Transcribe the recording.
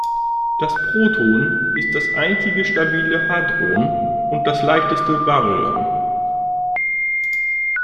Das Proton ist das einzige stabile Hadron und das leichteste Baryon.